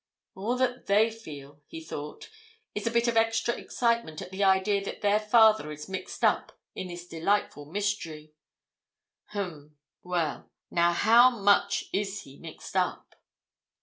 "All that they feel," he thought, "is a bit of extra excitement at the idea that their father is mixed up in this delightful mystery. Um! Well—now how much is he mixed up?"